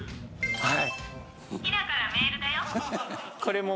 はい。